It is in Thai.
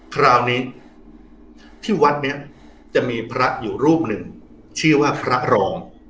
คราวนี้ที่วัดนี้จะมีพระอยู่รูปหนึ่งชื่อว่าพระรอง